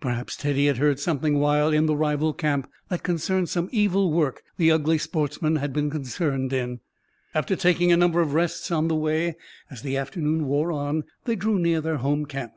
Perhaps Teddy had heard something while in the rival camp that concerned some evil work the ugly sportsman had been concerned in. After taking a number of rests on the way, as the afternoon wore on they drew near their home camp.